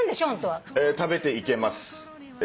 全然食べていけますが。